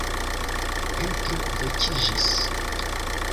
Petro vekiĝis.